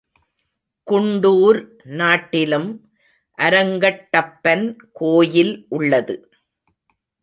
குண்டூர் நாட்டிலும் அரங்கட்டப்பன் கோயில் உள்ளது.